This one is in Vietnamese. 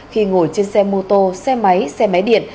khi ngồi trên xe mô tô xe máy xe máy điện